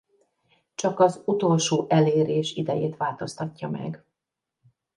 Csak az utolsó elérés idejét változtatja meg.